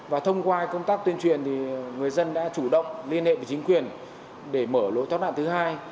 và thông qua công tác tuyên truyền thì người dân đã chủ động liên hệ với chính quyền để mở lối thoát nạn thứ hai